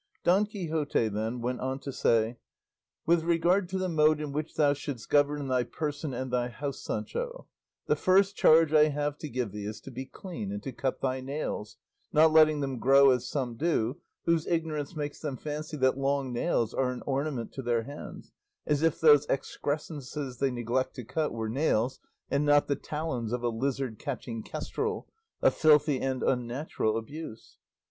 Don Quixote, then, went on to say: "With regard to the mode in which thou shouldst govern thy person and thy house, Sancho, the first charge I have to give thee is to be clean, and to cut thy nails, not letting them grow as some do, whose ignorance makes them fancy that long nails are an ornament to their hands, as if those excrescences they neglect to cut were nails, and not the talons of a lizard catching kestrel a filthy and unnatural abuse.